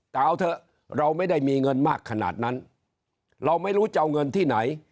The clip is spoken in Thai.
แต่เอาเถอะเราไม่ได้มีเงินมากขนาดนั้นเราไม่รู้จะเอาเงินที่ไหน